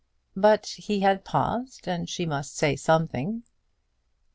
But he had paused, and she must say something.